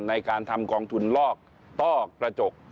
ในการทำกองทุนลอกต้อกระจก